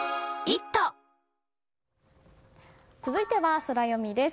続いてはソラよみです。